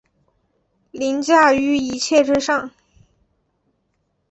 凌驾於一切之上